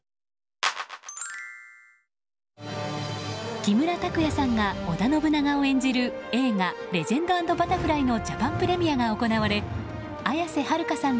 木村拓哉さんが織田信長を演じる映画「レジェンド＆バタフライ」のジャパンプレミアが行われ綾瀬はるかさんら